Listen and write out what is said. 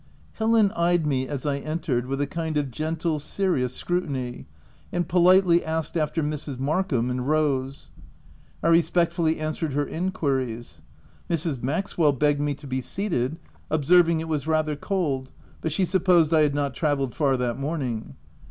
Helen eyed me as I entered with a kind of gentle, serious scrutiny and politely asked after Mrs. Markham and Rose. I respectfully an swered her enquiries. Mrs. Maxwell begged me to be seated, observing it was rather cold, but she supposed I had not travelled far that morning.